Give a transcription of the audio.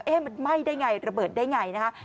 มันไหม้ได้ไงระเบิดได้ไงนะคะ